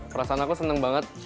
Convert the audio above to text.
perasaan aku seneng banget